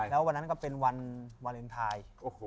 แล้ววันนั้นก็เป็นวันวาเลนไทย